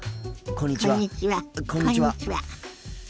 こんにちは。